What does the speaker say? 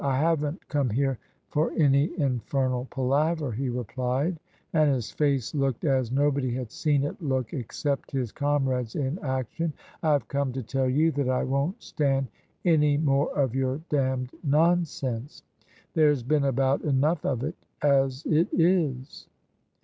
" I haven't come here for any infernal palaver," he replied, and his face looked as nobody had seen it look except his comrades in action: " I've come to tell you that I won't stand any more of your d — d nonsense. There's been about enough of it as it is."